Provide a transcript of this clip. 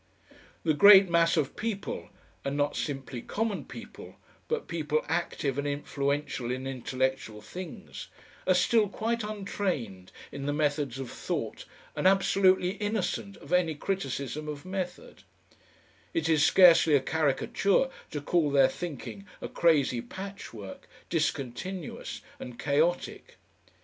The great mass of people and not simply common people, but people active and influential in intellectual things are still quite untrained in the methods of thought and absolutely innocent of any criticism of method; it is scarcely a caricature to call their thinking a crazy patchwork, discontinuous and chaotic.